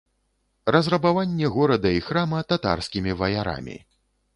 Разрабаванне горада і храма татарскімі ваярамі.